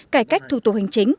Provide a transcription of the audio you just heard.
cải cách thủ tục hình chính